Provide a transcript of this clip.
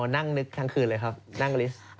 นั่งนึกทั้งคืนเลยครับนั่งลิสต์